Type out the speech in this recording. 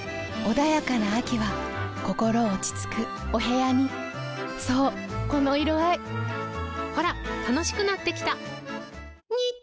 穏やかな秋は心落ち着くお部屋にそうこの色合いほら楽しくなってきた！